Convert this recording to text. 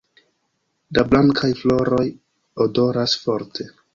La blankaj floroj odoras forte.